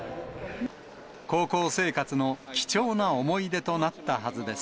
高校生活の貴重な思い出となったはずです。